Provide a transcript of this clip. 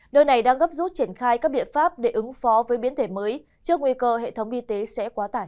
nơi này đang gấp rút triển khai các biện pháp để ứng phó với biến thể mới trước nguy cơ hệ thống y tế sẽ quá tải